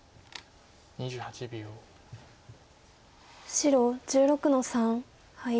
白１６の三ハイ。